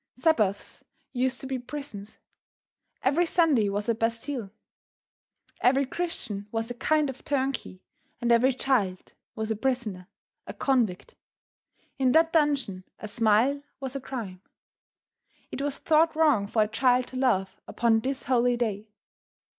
Sabbaths used to be prisons. Every Sunday was a Bastile. Every Christian was a kind of turnkey, and every child was a prisoner, a convict. In that dungeon, a smile was a crime. It was thought wrong for a child to laugh upon this holy day.